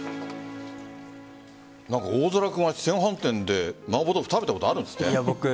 大空君は四川飯店で麻婆豆腐食べたことあるんですって？